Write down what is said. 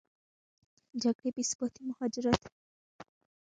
جګړې، بېثباتي، مهاجرت